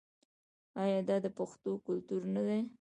آیا دا د پښتنو کلتور نه دی؟